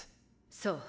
そう。